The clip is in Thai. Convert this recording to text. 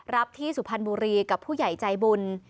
รับที่สุพรรณบุรีกับผู้ใหญ่ใจบุญ